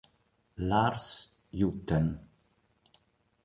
Lars Hutten